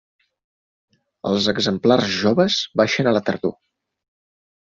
Els exemplars joves baixen a la tardor.